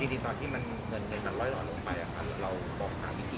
จริงตอนเงินเงินล้อยล้นลงไป